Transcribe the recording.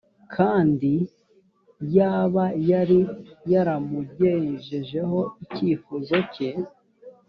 kandi yaba yari yaramugejejeho ikifuzo ke